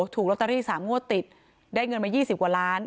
ถูกลอตเตอรี่สามงวดติดได้เงินมายี่สิบกว่าล้าน